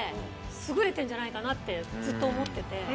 んじゃないかなってずっと思ってて。